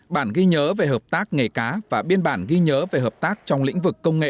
bản ghi nhớ về hợp tác nghề cá và biên bản ghi nhớ về hợp tác trong lĩnh vực công nghệ